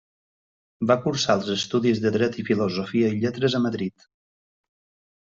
Va cursar els estudis de Dret i Filosofia i Lletres a Madrid.